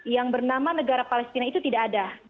yang bernama negara palestina itu tidak ada